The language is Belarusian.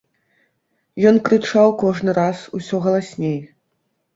Ён крычаў кожны раз усё галасней.